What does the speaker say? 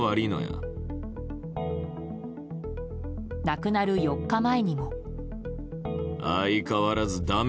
亡くなる４日前にも。